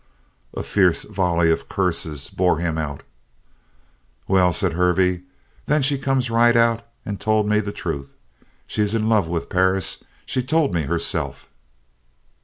A fierce volley of curses bore him out. "Well," said Hervey, "then she come right out and told me the truth: she's in love with Perris. She told me so herself!"